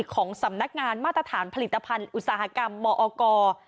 ของสำนักงานมาตรฐานผลิตภัณฑ์อุตสาหกรรมมอกร